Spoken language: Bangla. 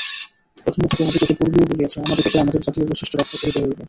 প্রথমত তোমাদিগকে পূর্বেই বলিয়াছি, আমাদিগকে আমাদের জাতীয় বৈশিষ্ট্য রক্ষা করিতে হইবে।